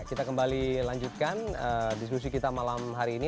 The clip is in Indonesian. kita kembali lanjutkan diskusi kita malam hari ini